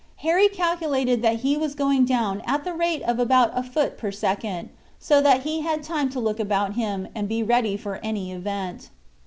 Harry calculated that he was going down at the rate of about a foot per second, so that he had time to look about him, and be ready for any event.